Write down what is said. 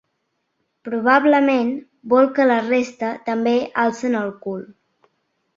Probablement vol que la resta també alcen el cul.